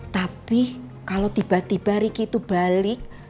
tapi kalau tiba tiba riki itu balik